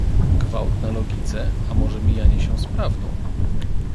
Gwałt na logice a może mijanie się z prawdą?